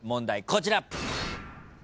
こちら。